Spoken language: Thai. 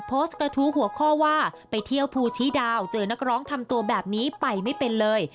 โพสต์กระทู้หัวข้อว่าไปเที่ยวภูชีดาวเจอนักร้องทำตัวแบบนี้ไปไม่เป็นเลย